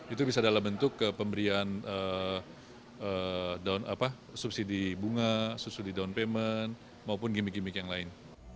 itu bisa dalam bentuk pemberian subsidi bunga subsidi down payment maupun gimmick gimmick yang lain